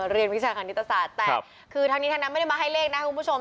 วิชาคณิตศาสตร์แต่คือทั้งนี้ทั้งนั้นไม่ได้มาให้เลขนะคุณผู้ชม